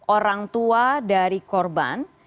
orang tua dari korban